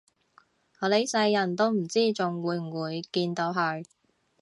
我呢世人都唔知仲會唔會見到佢